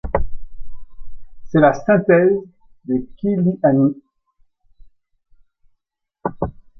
C'est la synthèse de Kiliani.